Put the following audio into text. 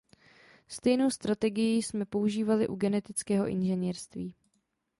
Stejnou strategii jsme používali u genetického inženýrství.